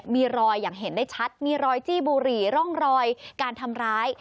มีรอยอย่างเห็นได้ชัดมีรอยจี้บุหรี่ร่องรอยการทำร้าย